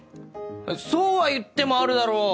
そうはいってもあるだろう？